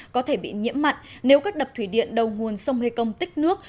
có thể bị nhiễm mặn nếu các đập thủy điện đầu nguồn sông mê công tích nước